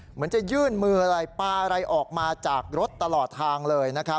เหมือนจะยื่นมืออะไรปลาอะไรออกมาจากรถตลอดทางเลยนะครับ